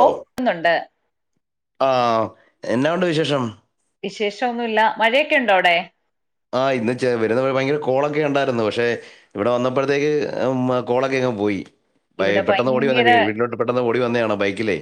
ഓ ക്കുന്നുണ്ട്. ആ എന്നാ ഉണ്ട് വിശേഷം? വിശേഷം ഒന്നുല്ല. മഴയൊക്കെ ഉണ്ടോ? അവിടെ ആ ഇന്ന് ച വരുന്ന ഭയങ്കര കോളൊക്കെ ഉണ്ടായിരുന്നു. പക്ഷെ ഇവിടെ വന്നപ്പോഴത്തേക്ക് മം കോളൊക്കെ അങ്ങ് പോയി. ഇവിടെ ഏഹ് പെട്ടെന്ന് ഓടി വന്നെ ഭയങ്കര വീട്ടിലോട്ട് പെട്ടെന്ന് ഓടി വന്നതാണ ബൈക്കിലേ.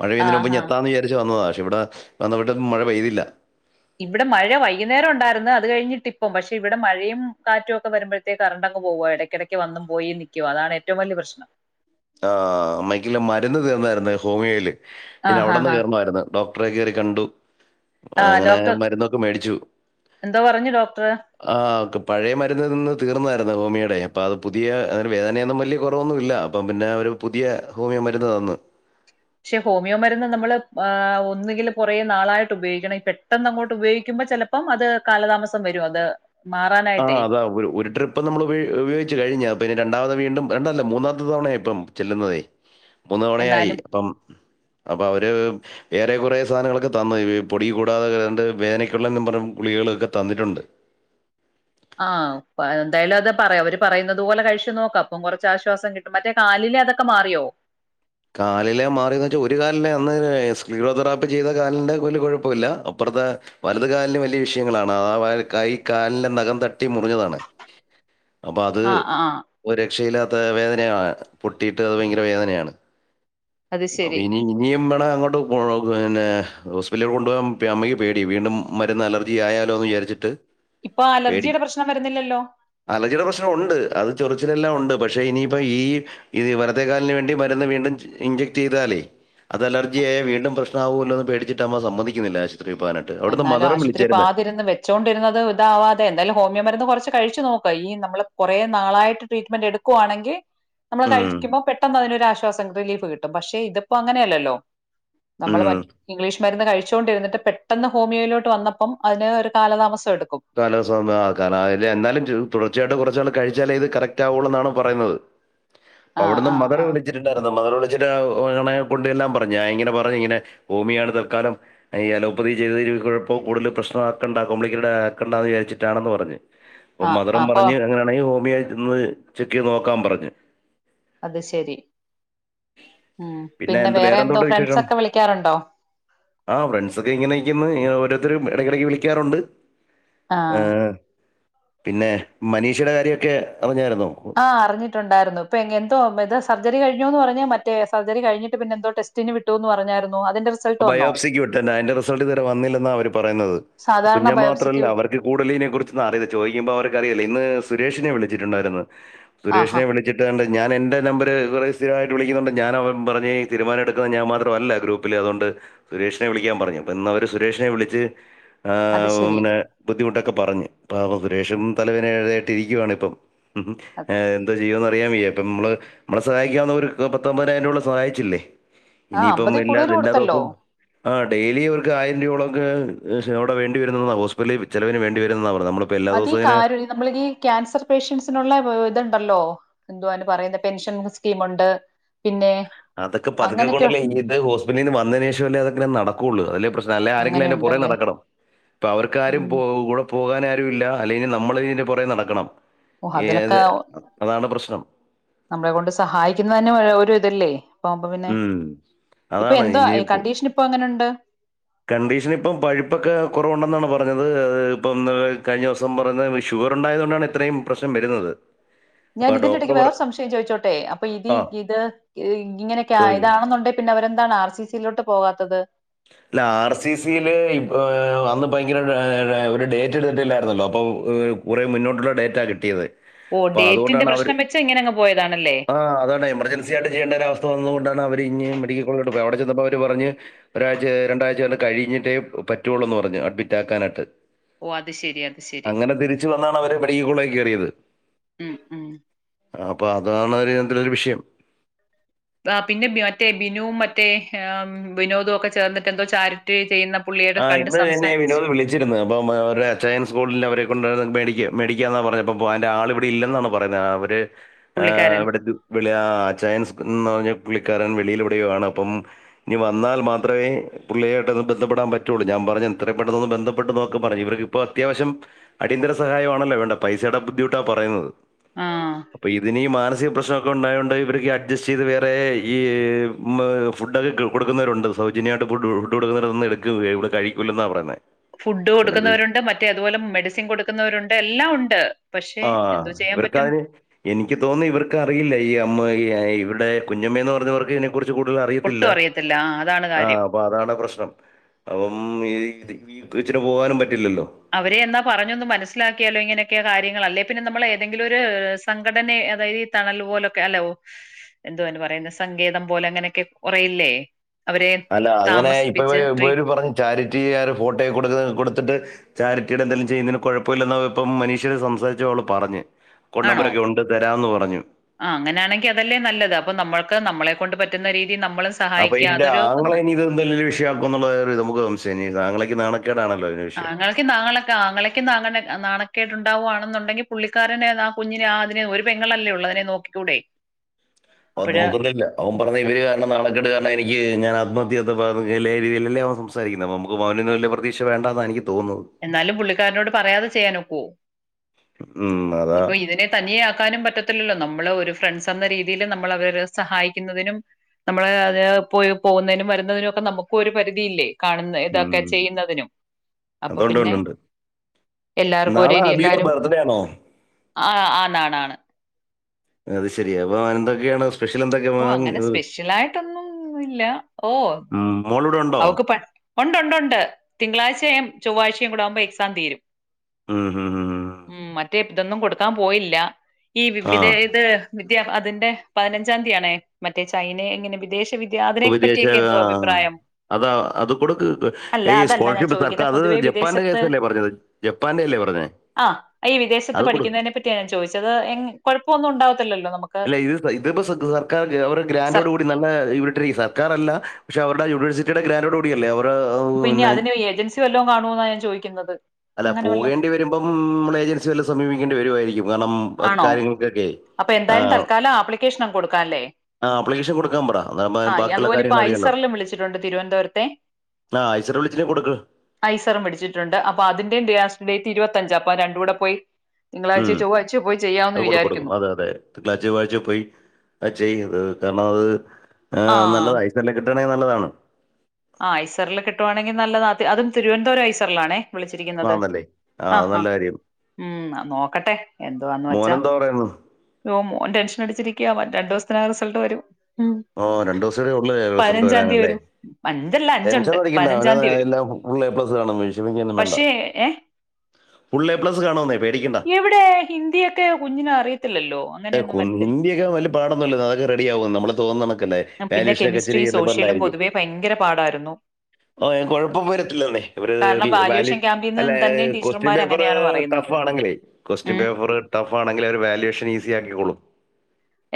മഴ പെയ്യതിനു മുമ്പേ ആഹാ ഇങ്ങെത്താന്ന് വിചാരിച്ചു വന്നതാ. പക്ഷേ ഇവിടെ വന്നിട്ടും മഴ പെയ്തില്ല. ഇവിടെ മഴ വൈകുന്നേരം ഉണ്ടായിരുന്നു. അത് കഴിഞ്ഞിട്ട് ഇപ്പോം പക്ഷെ ഇവിടെ മഴയും കാറ്റും ഒക്കെ വരുമ്പോഴത്തേക്ക് കറണ്ട് ക്ക്‌ പോകും. ഇടക്കടക്ക് വന്നും പോയി നിക്കും അതാണ് ഏറ്റവും വലിയ പ്രശ്നം. ആ [unintelligible] മരുന്ന് തീർന്നായിരുന്നെ ഹോമിയോയില്. ആ പിന്നെ ഹാ അവിടെന്ന് ഹാ കെയർന്നായിരുന്നു ഡോക് റേ കേറി കണ്ടു. ആ അങ്ങനെ ഡോക്ടർ മരുന്നൊക്കെ മേടിച്ചു. എന്തോ പറഞ്ഞു ഡോക്ടർ ആഹക്ക പഴയ മരുന്ന് നിന്ന് തീർന്നായിരുന്നു ഹോമിയോടെ. അപ്പോം അത് പുതിയ വേദനയൊന്നും വലിയ കുറവൊന്നും ഇല്ല. അപ്പം പിന്നെ ഒരു പുതിയ ഹോമിയ മരുന്ന് തന്ന്. പക്ഷെ ഹോമിയോ മരുന്ന് നമ്മള് ആ ഒന്നുങ്കില് കുറേ നാളായിട്ട് ഉപയോഗിക്കണം. ഈ പെട്ടെന്ന് അങ്ങോട്ട് ഉപയോഗിക്കുമ്പോ ചിലപ്പം അത് കാലതാമസം വരും. അത് മാറാനായിട്ടേ ആഹ് അതാ ഒരുട്രിപ്പ് നമ്മൾ ഉപയോഗിച്ച് കഴിഞ്ഞാ. പിന്നെ രണ്ടാമത് വീണ്ടും രണ്ടല്ല മൂന്നാമത്തെ തവണയായി ഇപ്പം ചെല്ലുന്നതെ. മൂന്ന്‌ തവണയായി എന്നാലും അപ്പം അപ്പൊ അവര് വേറെ കുറെേ സാധനങ്ങളൊക്കെ തന്നു. ഈ പൊടി കൂടാതെ ണ്ട് വേദനക്കുള്ള എന്നും പറഞ്ഞ് ഗുളിക കളോക്കെ തന്നിട്ടുണ്ട്. ആഹ് പ എന്തായാലും അത് പറയ അവര് പറയുന്നുന്നത് പോലെ കഴിച്ചു നോക്ക്. അപ്പം കുറച്ച് ആശ്വാസം കിട്ടും. മറ്റേ കാലി ലെ അതൊക്കെ മാറിയോ? കാലില മാറീന്ന് വെച്ച ഒരു കാലിലേ അന്ന് [unintelligible] തെറാപ്പി ചെയ്ത കാലിന്റെ വല്യ കുഴപ്പൂല്ല. പ വലത് കാലിലും വലിയ വിഷയങ്ങളാണ് ആ കൈ കാല ന് നഖം തട്ട ട്ടി മുറിഞ്ഞതാണ്. അപ്പൊ അത് ആഹ് ആഹ് ഒരു രക്ഷയില്ലാ ത്ത വേദനയാണ്. പൊട്ടിയിട്ട് അത് ഭയങ്കര വേദനയാണ്. അത് അപ്പൊ ശരി ഇനി ഇനി മ്ടാ അങ്ങോട്ട് പോണം. പിന്നെ ഹോസ്പിറ്റലിൽ കൊണ്ടുപോകാൻ അമ്മയ്ക്ക് പേടി വീണ്ടും മരുന്ന് അലർജി ആയാലൊ. വിചാരിച്ചിട്ട് ഇപ്പൊ പേടി, അലർജിയുടെ പ്രശ്നം വരുന്നില്ലല്ലോ അലർജിയുടെ പ്രശ്ന ഉണ്ട്. അത് ചൊറിച്ച ലെല്ലാം ഉണ്ട്. പക്ഷെ ഇനിയിപ്പോ ഈ വല്ത്തെ കാലിന് വേണ്ടി മരുന്ന് വീണ്ടും ഇൻജ ചെയ്താലേ, അത് അലർജിയായ വീണ്ടും പ്രശ്നമാവൂല്ലോ എന്ന് പേടിച്ചിട്ട അമ്മ സമ്മതിക്കുന്നില്ല ആശ് എന്നാലും ആശുപത്രി പോവാതിരുന്ന് വെച്ചോണ്ടിരുന്നത് ഇതാവാതെ എന്തേലും ഹോമിയോ മരുന്ന് [unintelligible] കഴിച്ചു നോക്ക്. ഈ നമ്മള് കുറേ നാളായിട്ട് ട്രീറ്റ്മെന്റ് എടുക്കുവാണെങ്കിൽ നമ്മള് ഉം കഴിക്കുമ്പോൾ പെട്ടെന്ന് അതിനൊരുരാശ്വാസം റിലീഫ് കിട്ടും. പക്ഷെ ഇതിപ്പോ അങ്ങനെയല്ലല്ലോ. നമ്മള് മ ഉം ഇംഗ്ലീഷ്മരുന്ന് കഴിചോ ണ്ടിരുന്നിട്ട് പെ പെട്ടെന്ന് ഹോമിയോയിലോട്ട് വന്നപ്പം അതിന് ഒരു കാലതാമസം എടുക്കും [unintelligible] എന്നാലും തുടർച്ചയായിട്ട് കുറച്ച് നാൾ കഴിച്ച ലെ ഇത് കറക്റ്റ് ആവോള് എന്നാണ് പറയുന്നത്. അപ്പ ആഹ് അവിടുന്ന് ആഹ് മദറ് ആഹ് വിളിച്ചിട്ടുണ്ടായിരുന്നു. മദറ് വിളിച്ച [unintelligible] കൊണ്ടേല്ലാം പറഞ്ഞു. ഞാ ഇങ്ങനെ പറഞ്ഞ ഇങ്ങനെ ഹോമിയയാണ് തൽക്കാലം അലോപ്പതി ചെയ്ത് കുഴപ്പോ കൂടുതൽ പ്രശ്നാക്കണ്ട. കോംപ്ലിക്കേറ്റഡ് ആയാൽ കണ്ടാ വിചരിച്ചിട്ടാണ്ന്ന്‌ പറഞ്ഞ്. അപ്പൊ ആഹ് മദറും അപ്പൊ പറഞ്ഞ് അങ്ങനെയാണെങ്കിൽ ഹോമിയ ഇന്ന് ചെക്ക് ചെയ്ത് നോക്കാൻ പറഞ്ഞ്. അത് ശരി. ഉം പിന്നെ എന്ത് വേറെ എന്തോ എന്തുകൊണ്ട് വിശേഷം ഫ്രണ്ട്സൊക്കെ വിളിക്കാറുണ്ടോ. ആ ഫ്രണ്ട്സൊക്കെ ഇങ്ങനെ നിക്കുന്നു. ഓരോരുത്തും ഇടക്കിടയ്ക്ക് വിളിക്കാറുണ്ട്. ആഹാ ആ, പിന്നെ മനീഷുടെ കാര്യമൊക്കെ അറിഞ്ഞായിരുന്നോ ആഹ് അറിഞ്ഞിട്ടുണ്ടായിരുന്നു ഇപ്പൊ എന്തോ ഇത സർജ കഴിഞ്ഞ എന്ന് പറഞ്ഞാ മറ്റേ സർജറി കഴിഞ്ഞിട്ട് പിന്നെന്തോ ടെസ്റ്റന് വിട്ടോന്ന് പറഞ്ഞായിരുന്നു അതിന്റെ റിസൾട്ട് വന്നോ? ബയോപ്സിക് വിട്ടണ്ട്.. അതിന്റെ റിസൾട്ട് ഇതുവരെ വന്നില്ലെന്നാ അവര് പറയുന്നത് സാധാരണ പിന്നത് ബയോപ്സിക്ക് മാത്രമല്ല വി- അവർക്ക് കൂടുതലിനതിനെക്കുറിച്ചൊന്നുമാറീല ചോദിക്ക്മ്പോ അവർക്ക് അറയില്ല ഇന്ന് സുരേഷിനെ വിളിച്ചിട്ടുണ്ടായിരുന്നു ആഹാ സുരേഷിനെ വിളിച്ചിട്ട് ഞാൻ എന്റെ നമ്പറിന്ന് സ്ഥിരമായിട്ട് വിളിക്കുന്നോണ്ട് ഞാൻ പറഞ്ഞ് തീരുമാനം എടുക്കുന്ന ഞാൻ മാത്രമല്ല ഗ്രൂപ്പിൽ അുകൊണ്ട് സുരേഷിനെ വിളിക്കാൻ പറഞ്ഞു.. അപ്പൊ ഇന്ന് അവര് സുരേഷിനെ വിളിച് അത് ശരി. ബുദ്ധിമുട്ടൊക്ക് പറഞ്ഞു പാവം സുരേഷും തലവേദനയായിട്ട് ഇരിക്കുവാണ് ഇപ്പം എന്ത് ചെയ്യൂന്നറിയാൻ വയ്യ.. അപ്പ നമ്മള് നമ്മളും സഹായിക്കാവുന്ന ഒരു പത്തൊമ്പതിനായിരം രൂപയോളം സഹായിച്ചില്ലേ ആഹ് ഇനിയിപ്പം അമ്പതി എല്ലാ കൂടുതൽ എല്ലാ കൊടുത്തല്ലോ. ദിവസും ആ ഡെയിലി അവർ ആയിരം രൂപയളൊക്കെ ചെലവിന് വേണ്ടി വരുന്നാ ഹോസ്പിറ്റലിൽ ചിലന് വേണ്ടി വരുന്ന പറഞ്ഞെ അതീ കാര് നമ്മൾ ഈ ക്യാൻസർ പേഷ്യൻസിനുള്ള ഇതുണ്ടല്ലോ എന്തുവാാന് പറയുന്ന പെൻഷൻ സ്കീം ഉണ്ട് അതൊക്ക പതുക്ക കൊണ്ടല്ലേ.. ഇത് ഹോസ്പറ്റലിന്ന് വന്നയിന് ശേഷല്ലേ അതൊക്കെ നടക്കുള്ളു അതല്ലേ പ്രശ്നം അല്ലേ ആരെങ്കിലും അതിന്റെ പു റെ അങ്ങനെയുണ്ടല്ലേ നടക്കണം പ്പൊ അവർക്കാരും ഉം പോ കൂടെ പോ കാനാരു രൂല്ല അല്ലങ്കിൽ നമ്മള് തിന്റെ പുറകെ ഓഹ് നടക്കണംഏ അതിനൊക്കെ തെ അതാണ് പ്രശ്നം നമ്മളെ കൊണ്ട് സഹായിക്കുന്ന തന്നെ ഒരു ഇതല്ലേ പോമ്പോ പിന്നെ ഉം ഇപ്പൊ അതാണ് എന്തൊ ഇനി കണ്ടീഷൻ ഇപ്പൊ എങ്ങനെണ്ട് കണ്ടീഷൻ ഇപ്പം പഴുപ്പൊക്കെ കുറവുണ്ടെന്നാണ് പറഞ്ഞത് ഇപ്പം കഴിഞ്ഞോസം പറഞ്ഞ വിഷു ഇവറ് ഉണ്ടായത് ണ്ടാണ് ഇത്രയും പ്രശ്നം വരുന്നത് ഞാൻ അപ്പൊ ഇതിന്റെ ഡോക്ടർ ഇടയ്ക്ക് പറ വേറെ സംശയം ചോദിച്ചോട്ടെ അപ്പൊ ഇത് ആ ഇത് ഇങ്ങനെയൊക്കെ ചോദിക്ക ആയതാണെന്നുണ്ടെ പിന്നെ അവരെന്താണ് ആർ സി സയിലോട്ട് പോവാത്തത് അല്ല ആർ സി സിയില് ഇപ്പ അന്ന് ഭയങ്കര ഒരു ഡേറ്റ് എടുത്തിട്ടില്ലായിരുന്നല്ലോ അപ്പൊ ഏ കുറെേ മുന്നോട്ടുള്ള ഡേറ്റ കിട്ടിയത് ഓ അപ്പൊ ഡേറ്റിന്റെ അതുകൊണ്ടാണ് അവര്. പ്രശ്നം വെച്ച് ഇങ്ങനെ അങ്ങ് പോയതാണല്ലേ? ആ അതാണ് എമർജൻസി ആയിട്ട് ചെയ്യേണ്ടൊരു അവസ്ഥ വന്നത് കൊണ്ടാ അവര് ഇഞ് മെഡിക്കൽ കോളേജ്ലോട്ട് പോയെ അവിടെ ചെന്നപ്പോ അവര് പറഞ് ഒരാഴ്ച രണ്ടാഴ്ച കഴിഞ്ഞി ട്ടേ പറ്റുള്ളൂന്ന് പറഞ്ഞു അഡ്മിറ്റ് ആക്കാനായിട്ട് ഓ അത് ശരി അത് ശരി. അങ്ങനെ തിരിച്ചു വന്നാണ് അവര് മെഡിക്കൽ കോളേ യി കേ റി യത് ഉം ഉം അപ്പൊ അതാണ് ഇതിലൊ രു വിഷയം ആ പിന്നെ മറ്റേ ബിനുവും മറ്റേ വിനോദും ഒക്കെ ചേർന്നിട്ട് എന്തോ ചാരിറ്റി ചെയ്യുന്ന പുള്ളിയുടെ ആ കണ്ട് ഇന്ന് എന്നെ സംസാരിച്ച് വിനോദ് വിളിച്ചിരുന്ന് അപ്പൊ അവരുടെ അച്ചായൻ സ്പോട്ടിൽ അവരെ [unintelligible] മേ മേടിക്ക മേടിക്കാന്നാ പറഞ്ഞപ്പപോ അന്റെ ആൾ ഇവിടെ ഇല്ലെന്നാണ് പറയുന്നത് അവര് ആ പുള്ളിക്കാരൻ. വടത് വ്ളയ ചയൻസ് ന്നോ പുള്ളിക്കാരൻ വെളിയിലെവിടെയോ ആ ണ് അപ്പം ഇനി വന്നാൽ മാത്രമേ പുള്ളിയായിട്ട് ബന്ധപ്പെടാൻ പറ്റ് റ്റുള്ളു ഞാൻ പറഞ്ഞു ഇപ്പൊ എത്രയും പെട്ടെന്ന് ബന്ധപ്പെട്ട് നോക്ക് പറ ഇവർക്ക് ഇപ്പോ അത്യാവശ്യം അടിയന്തര സഹായമാണല്ലോ വേണ്ടേ പൈസ ട ബുദ്ധിമുട്ടാപറയുന്നത് ആ അപ്പൊ ഇതിനീ മാന സിക പ്രശ്നൊക്കെ ഉണ്ടായോണ്ട് ഇവർക്ക് അഡ്ജസ്റ്റ് ചെയ്ത് വേറെ ഈ ഫുഡൊക്കെ കൊടുക്കുന്നവരുണ്ട് സൗജന്യായിട്ട് ഫുഡ്‌ ഫുഡ്‌കൊടുക്കുന്നടക്ക് ഇവിടെ കഴിക്കൂ ലെന്ന പറയുന്നത് ഫുഡ് പിന്നെന്ത് കൊടുക്കുന്നവരുണ്ട് മറ്റേ അതുപോലെ മെഡിസിൻ കൊടുക്കുന്നവരുണ്ട് എല്ലാം ഉണ്ട് പക്ഷെ ആ എന്തൊ ചെ ഇവർക്കതിന് എനിക്ക് തോന്നി ഇവർക്കറിയില്ല ഈ അമ്മ ഈ ഇവിടെ കുഞ്ഞമ്മേന്ന് പറഞ്ഞവർക്ക് എനി കുറിച്ച് കൂടുതൽ അറിയത്തില്ല ഒട്ടും ആ അതാണ് ആ കാര്യം. അപ്പൊ അതാണ് പ്രശ്നം അപ്പം ഈ ഈ ഇച്ചിന് പോകാനും പറ്റില്ലല്ലോ അവരെ എന്നാ പറഞ്ഞൊന്ന് മനസ്സിലാക്കിയാലോ ഇങ്ങനെയൊക്കെ കാര്യങ്ങൾ അല്ലേ പിന്നെ നമ്മൾ ഏതെങ്കിലും ഒരു സംഘടനയെ അതായത് ഈ തണല് പോലൊക്കെ അലൗ എന്തുവോ [unintelligible] പറയുന്ന സംഗീതം പോലെ അങ്ങനെയൊക്കെ കുറയില്ലേ അവരെ അല്ല അങ്ങനെ ഇപ്പവേ താമസിപ്പിച്ച് ട്രീ ഇവർ പറഞ് ചാരിറ്റികാർ ഫോട്ടേയെ കൊട് കൊടുത്തിട്ട് ചാരിറ്റിയുടെ എന്തങ്കിലും ചെയ്യുന്നതിന് കുഴപ്പമില്ല എന്ന ഇപ്പം മനീഷയെ സംസാരിച്ച അവൾ പറഞ്ഞെ ആണോ ആ അങ്ങനെയാണെങ്കി അതല്ലേ നല്ലത് അപ്പൊ നമ്മൾക്ക് നമ്മളെ കൊണ്ടു പറ്റുന്ന രീ അപ്പൊ ഇന്റെ ആങ്ങളെ ഇനി എന്തങ്കിലും വിഷയാക്കോ എന്നുള്ള നമുക്ക് സംശയം. ആങ്ങളക് നാളെ ആങ്ങളെക്ക് നാളെക ആങ്ങളക്ക് [unintelligible] നാണ ക്കേടു ണ്ടാവാണെന്നുണ്ടെങ്കി പുള്ളിക്കാരനെ ആ കുഞ്ഞിനെ ആ അതിനെ ഒരു പെങ്ങൾല്ലേ ഉള്ളെ അതിനെ നോക്കിക്കൂടെേ അവ നോക്കുന്നില്ല അവൻ പറഞ്ഞെ ഇവര് കാരണം നാണക്കെട് കാരണം എനിക്ക് ഞാൻ ആത്മഹ [unintelligible] രീതിയിലല്ലേ അവൻ സംസരിക്കുന്നത് നമുക്കവനിലൊന്നും വലിയ പ്രതീക്ഷ വേണ്ട എന്ന എനിക്ക് തോന്നുന്നത് എന്നാലും പുള്ളിക്കാരനോട് പറയാതെ ചെയ്യാനൊക്കോ ഉം, അതാ ഇപ്പൊ ഇതിനെ തനിയെ ആക്കാനും പറ്റത്തില്ലല്ലോ നമ്മളെ ഒരു ഫ്രണ്ട്സ് എന്ന രീതിയിൽ നമ്മൾ അവരെരെ സഹായിക്കുന്നതിനും നമ്മള് അത് പോയി പോകുന്നതിനും വരുന്നതിനും ഒക്കെ നമുക്കും ഒരു പരിധിയില്ലേ കാണുന്ന ഇതൊക്കെ ചെയ്യുന്നതിനും അപ്പൊ അതൊണ്ട് പിന്നെ ഉണ്ട്ണ്ട് എല്ലാവർക്കും ഒരേ നാളെ രീതി അബിയുടെ എല്ലാരും ബർത്ത്ഡേ ആണോ? ആ ആണാണാണ് അത് ശരിയ അപ്പൊ എന്തൊക്കെയാണ് സു ഓ അങ്ങനെ സ്പെഷ്യൽ ആയിട്ടൊന്നും ഇല്ല ഓ ഉം, മോളിവിടെ ഉണ്ടോ അവക് ഉണ്ടണ്ട്ണ്ട് തിങ്കളാഴ്ചയും ചൊവ്വാഴ്ചയും കൂടെ ആകുമ്പോ എക്സാം തീരും. മ്മ്ഹഹ്, ഹഹ്, ഹഹ് ഉം മറ്റേ ഇതൊന്നും, കൊടുക്കാൻ, പോയില്ല.. [inaudible] ആ വിദ്യ അതിന്റെ പതിനഞ്ചാം തീയണേ മറ്റേ ചൈനയെ എങ്ങനെ വിദേശ വിദ്യ അതിനെ വിദേശ പറ്റിയൊക്കെ എന്തോ ആ, അഭിപ്രായം അതാ അത് കൊടുക്ക് അല്ല ഈ അതല്ല ഞാൻ സ്കോളർഷിപ്പ് സർക്കാർ ചോദിക്കുന്നത് അത് പൊതുവെ ജപ്പാന്റെ വിദേശത്ത് കേസല്ലേ പറഞ്ഞത്.. ജപ്പാന്റെ അല്ലേ പറഞ്ഞേ.. ആ, ഈ വിദേശത്ത് അത് കൊടുക്ക് പഠിക്കുന്നതിനെ പറ്റിയാ ഞാൻ ചോദിച്ചത് എ കൊഴപ്പമൊന്നും ഉണ്ടാവത്തില്ലല്ലോ നമുക്ക് ഇ, സർക്കാർ അവടെ സർ ഗ്രാന്ൻറോട് കൂടി നല്ല ഇവി സക്കർല്ല പക്ഷെ അവരുടെ യൂണിവേഴസിറ്റിയുടെ, ഗ്രന്ടോടുകൂ കൂടിയല്ലേ അവർ അപ്പൊ, ഇനി, പിന്നെ അതിന്, ഏജൻസി, വല്ലവും, കാണുന്നാ, ഞാൻ, ചോദിക്കുന്നത് അല്ല അങ്ങനെ വല്ലോ പോകേണ്ടിവരുമ്പം നമ്മടെ ഏജൻസി വല്ലോം സമീപിക്കേണ്ടി വരുമായിരിക്കും... കാരണം ആ ആണോ കാര്യങ്ങൾക്കൊക്കെ അപ്പൊ ആ എന്തായാലും, തൽക്കാലം ആപ്ലിക്കേഷനൊക്കെ കൊടുക്കാല്ലേ.. അപ്ലിക്കേഷൻ കൊടുക്കാൻ പറ അതാകുമ്പോ ആ ബാക്കിയുള്ള അതുപോലെ ഇപ്പോ കാര്യങ്ങൾ അറിയാലോ ഐസറിലും വിളിച്ചിട്ടുണ്ട് തിരുവനന്തപുരത്തെ.. ആ ഐസർ വിളിച്ചിനെ കൊടുക്ക് ഐസറും വിളിച്ചിട്ടുണ്ട് അ അപ്പൊ അതിന്റെ ലാസ്റ്റ് ഡേറ്റ് ഇരുപത്തഞ്ച... അപ്പൊ രണ്ടൂടെ പോയി തിങ്കളാഴ്ചയൊ ഉം ചൊവ്വ അത് കൂടെ കൊടുക്ക്.. അതെ അതെ തിങ്കളാച്യോ ചൊവ്വഴ്ച്ചയോ പോയി അത് ചെയ്.. ഇത് കാരണത് ആ.. ഏ.. നല്ലതാണ്.. ഐസല്ലാം, കിട്ടണെങ്കിൽ.. നല്ലതാണ്.... ആ.. ഐസറൽ കിട്ടുവാണെങ്കിൽ, നല്ലത.. അതും തിരുവനന്തപുരം ഐസർലാണേ.. ആ വിളിച്ചിരിക്കുന്നത്.. നല്ലേ ആഹ്.. ആ നല്ല കാര്യം ഉം.. നോക്കട്ടെ.. എന്തുവാന്നവെച്ചാ.. മോനെന്താ പറയുന്നു മോൻ ടെൻഷൻ അടിച്ചിരിക്കയാ.. രണ്ടു ദിവസത്തിനകം റിസൾട്ട് വരും... ഓ.. രണ്ടു ദിവസോടെ ഉള്ളല്ലേ റിസൾട്ട്‌ പതിനഞ്ചാം വരാൻ... തീയതി വരും അഞ്ചല്ല അഞ്ചുണ്ട് ടെൻഷനടിക്കണ്ട.. അവന് പതിനഞ്ചാം തീയതി വരും എല്ലാം ഫുൾ എ പ്ലസ് കാണും.. വിഷമിക്കോന്നും വേണ്ട.. ഫുൾ എ പ്ലസ് കാണുമെന്നേ പേടിക്കണ്ട ഇവിടെ ഹിന്ദിയൊക്കെ കുഞ്ഞിന് അറിയത്തില്ലല്ലോ അങ്ങനെയൊന്നും വരത്തില്ല ഹിന്ദിയൊക്കെ വലിയ പാടൊന്നുല്ല അതൊക്കെ റെഡിയവും.. നമ്മള് തോന്നുന്ന കണക്കല്ല പിന്നെ പാറിഷിലൊക്കെ കെമിസ്ട്രി ഇച്ചരി ലിബറൽ സോഷ്യലും ആയിരിക്കും.. പൊതുവേ ഭയങ്കര പാടായിരുന്നു ഓ കൊഴപ്പം വരത്തില്ലന്നെ ഇവര് കാരണം വാല്യുവേഷൻ ക്യാമ്പിൽ അല്ല നിന്ന് തന്നെയും ടീച്ചർമാർ ക്വസ്റ്റ്യൻപേപ്പർ അങ്ങനെയാണ് ടഫ് പറയുന്നത് ഫാണെങ്കിലേ ക്വസ്റ്റ്യൻ ഉം പേപ്പർ ടഫ് ആണെങ്കിലെ.. അവര് വല്വേഷൻ, ഈസിയക്കിക്കൊളും..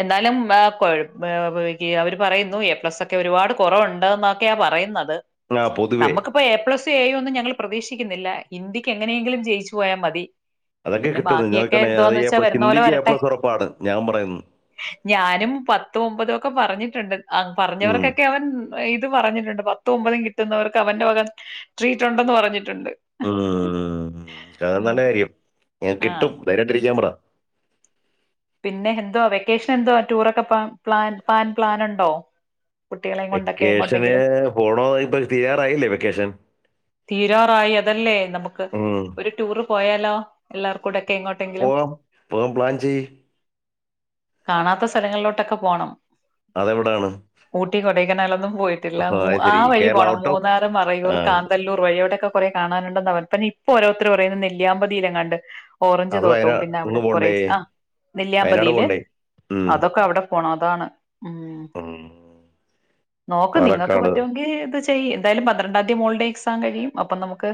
എന്നാലും അവര് പറയുന്നു.. എ പ്ലസ്, ഒക്കെ ഒരുപാട് കുറവുണ്ടെന്നൊക്കെയാ പറയുന്നത്. ആ പൊതുവേ നമ്മക്കിപ്പോ എ പ്ലസ്.. എ ഒന്നും, ഞങ്ങള് പ്രതീക്ഷിക്കുന്നില്ല.. ഹിന്ദിക്ക് എങ്ങനെയെങ്കിലും ജയിച്ചു പോയാൽ മതി... അതൊക്കെ പിന്നെ കിട്ടും.. നിങ്ങളെ ബാക്കിയൊക്കെ എന്തോന്ന് വെച്ചാ കൊണ്ട.. വരുന്ന പോലെ ഹിന്ദിക്ക് എ വരട്ടെ പ്ലസ് ഉറപ്പാണ്.. ഞാൻ പറയുന്ന് ഞാനും പത്തും ഒമ്പതും ഒക്കെ പറഞ്ഞിട്ടുണ്ട്.. ഉം. പറഞ്ഞവർക്കൊക്കെ അവൻ ഇത് പറഞ്ഞിട്ടുണ്ട്.. പത്തും ഒൻപ കിട്ടുന്നവർക്ക് അവന്റെ വക ട്രീറ്റ് ഉണ്ടെന്ന് പറഞ്ഞിട്ട് ഉം, അങ്ങനെ, ഉം. തന്നെയായിരിക്കും.. ആ കിട്ടും.. അങ്ങനെയൊക്കെ ധൈര്യയിട്ടിരിക്കാൻ പറ. പിന്നെ എന്ത വെക്കേഷൻ എന്തോ ടൂറൊക്കെ പോവാൻ പ്ലാൻ പാൻ പ്ലൻുണ്ടോ. വെക്കേഷന് പോണോ ഇപ്പോ തീയാറായില്ലേ വെക്കേഷൻ. തീരാറായി അതല്ലേ നമുക്ക് ഉം. ഒരു ടൂർ പോയാലോ എല്ലാവർക്കൂടെ പോവാം പോവാം പ്ലാൻ ചെയ കാണാത്ത സ്ഥലങ്ങളിലോട്ടൊക്കെ പോണം. അതെവിടാണ് കൊടക്കനാലൊന്നും പോയിട്ടില്ല ആ, അത് ആ ശരി വഴി കേരള പോണം ഔട്ടോ മൂന്നാറ് മറയൂർ ആ കോഴയോടൊക്കെ, കുറെ കാണാനണ്ടെ ഇപ്പോ ഓരുത്തർ പറയ, നെല്ലിയാമ്പതിയിലങ്ങണ്ട് ഓറഞ്ച് അത് തോട്ടവും വയനാട് പിന്നെ അവിടെ ഇങ്ങ് കുറ പോണ്ടേ ആ വയനാട് നെല്ലിയാമ്പതിയില് പോണ്ടേ ഉം. അതൊക്കെ അവിടെ പോണം അതാണ് മ്മ് ഉം. നോക്ക് നിങ്ങൾക്ക് പാലക്കാട് പറ്റുമെങ്കിത് ചെയ്യ എന്തായാലും പന്ത്രണ്ടാം തീയതി മോളുടെ [unintelligible] കഴിയും അപ്പൊ നമുക്ക്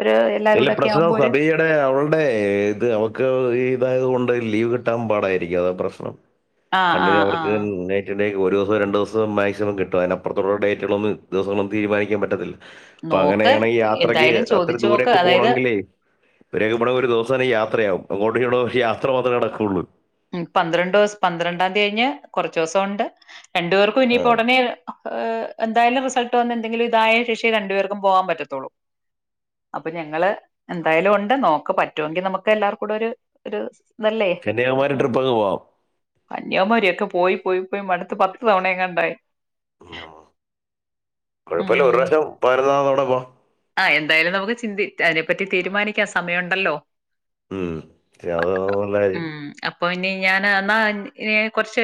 ഒരു ഇല്ല എല്ലാരൂടെ ഒക്കെ പ്രശ്നം ആവുമ്പോ ഒരു സഭയുടെ അവളുടെ ഇത് അവക്ക് ഇതായത് കൊണ്ട് ലീവ് കിട്ട കിട്ടാൻ പാടായിരിക്കും അതാ ആ ആ പ്രശ്നംകണ്ട ആ അവർക്ക്റ്റ അക്ക് ഒരുസവും രണ്ട്സവും മാക്സിമം കിട്ട അതിനപ്പുറുള്ള ഡേറ്റുകളൊന്ന ദിവസങ്ങളൊന്നും തീരുമാനിക്കൻ പറ്റത്തില്ല അപ്പൊ നോക്ക് അങ്ങനെയാണെങ്കിൽ യാത്രക്ക് എന്തായാലും അത്ര ചോദിച്ചു നോക്ക് ദൂരൊക്കെ അതായത് പോണമെങ്കിൽേ ഒണ ഒരു ദിവസ ത യാത്രയാകവും അങ്ങോട്ട് ഇവടെ യാത്ര മാത്ര നടക്കുള്ളൂ ഉ പന്ത്രണ്ട് ദിവസം പന്ത്രണ്ടാംയതി കഴിഞ് കുറച്ച ദിവസം ഉണ്ട്. രണ്ടു പേർക്കും ആ. ഇനിയിപ്പോ ഉടനെ് ഐ ഇതായാലും റിസൾട്ട് വന്ന എന്തങ്കിലും ഇതായ ശേഷേ രണ്ടു പേർക്കും പോവാൻ പറ്റത്തുള്ളൂ അപ്പൊ ഞങ്ങള് എന്തായാലും ഉണ്ട് നോക്ക പറ്റുമെങ്കിൽ നമുക്ക് എല്ലാർ കൂടെ ഒരു ഒര് ല്ലേറ്റ കന്യാകുമാരി ട്രിപ്പ് അങ്ങ് പോവാം കന്യാമാരിക്കെ പോയി പോയി ഇപ്പ അടുത്ത പത്ത് തവണയെങ്ങാണ്ടായി. കുഴപ്പമില്ല ഒരു പ്രാവശ്യം പതിനൊന്നമത്ത തവണ പോവ ആ എന്തായാലും നമുക്ക് ചിന്തി അതിനെപ്പറ്റി തീരുമാനിക്കാൻ സമയമുണ്ടല്ലോ? ഉം അത നല്ല കാര്യം. ഉം അപ്പൊ ഇനി ഞാൻ എന്നാ ഇ കുറച്ച്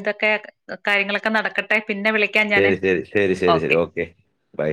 ഇതൊക്കെ കാര്യങ്ങളൊക്കെ നടക്കട്ടെ? പിന്നെ വിളിക്കാൻ ഞാന് ശരി ശരി ശരി ശരി ശരി ഓക്കെ. ബൈ